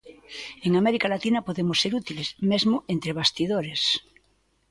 En América Latina podemos ser útiles, mesmo entre bastidores.